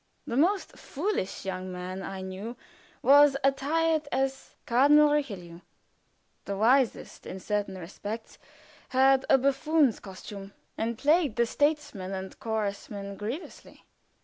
The most foolish young man I knew was attired as Cardinal Richelieu; the wisest, in certain respects, had a buffoon's costume, and plagued the statesman and churchman grievously.